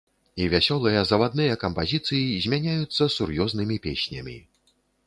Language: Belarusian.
І вясёлыя завадныя кампазіцыі змяняюцца сур'ёзнымі песнямі.